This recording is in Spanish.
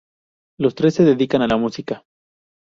Los tres se dedican a la música.